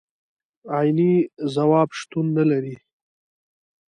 عيني ځواب شتون نه لري.